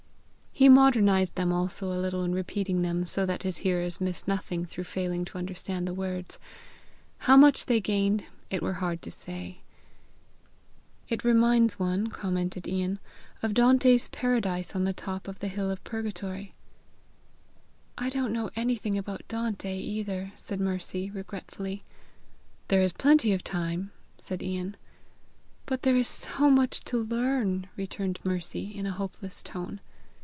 He modernized them also a little in repeating them, so that his hearers missed nothing through failing to understand the words: how much they gained, it were hard to say. "It reminds one," commented Ian, "of Dante's paradise on the top of the hill of purgatory." "I don't know anything about Dante either," said Mercy regretfully. "There is plenty of time!" said Ian. "But there is so much to learn!" returned Mercy in a hopeless tone.